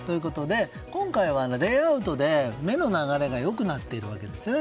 今回はレイアウトで目の流れが良くなっているわけですよね。